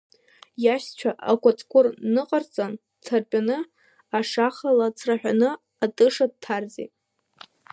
Иашьцәа акаҵкәыр ҩыҟарҵан, дҭартәаны, ашаха лацраҳәаны атыша дҭарҵеит.